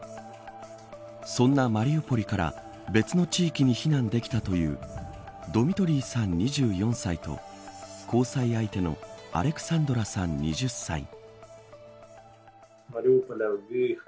そんなマリウポリから別の地域に避難できたというドミトリーさん、２４歳と交際相手のアレクサンドラさん、２０歳。